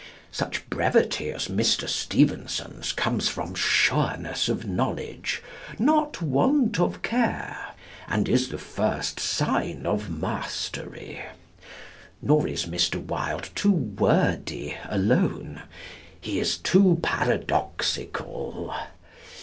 Such brevity as Mr. Stevenson's comes from sureness of knowledge, not want of care, and is the first sign of mastery. Nor is Mr. Wilde too wordy alone; he is too paradoxical.